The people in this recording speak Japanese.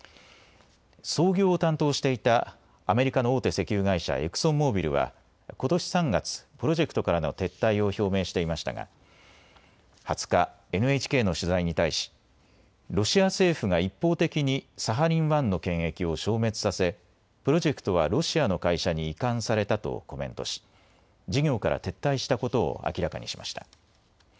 操業を担当していたアメリカの大手石油会社、エクソンモービルはことし３月、プロジェクトからの撤退を表明していましたが２０日、ＮＨＫの取材に対しロシア政府が一方的にサハリン１の権益を消滅させプロジェクトはロシアの会社に移管されたとコメントし事業から撤退したことを明らかにしました。